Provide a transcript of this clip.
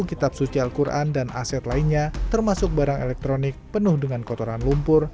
kitab suci al quran dan aset lainnya termasuk barang elektronik penuh dengan kotoran lumpur